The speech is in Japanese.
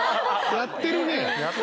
やってるね。